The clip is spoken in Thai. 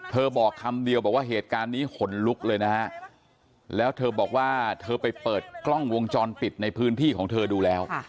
บอกคำเดียวบอกว่าเหตุการณ์นี้ขนลุกเลยนะฮะแล้วเธอบอกว่าเธอไปเปิดกล้องวงจรปิดในพื้นที่ของเธอดูแล้ว